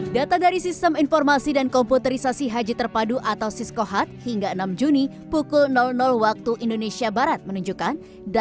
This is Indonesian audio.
data dari sistem informasi dan komputerisasi haji terpadu atau siskohat hingga enam juni pukul waktu indonesia barat menunjukkan